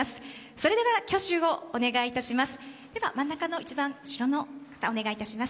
それでは挙手をお願いいたします。